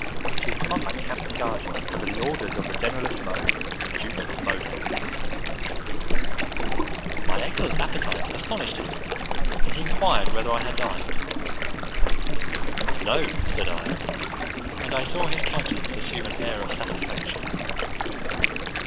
which is commanded by Count de Gages under the orders of the generalissimo, the Duke of Modena." My excellent appetite astonished him, and he enquired whether I had dined. "No," said I; and I saw his countenance assume an air of satisfaction.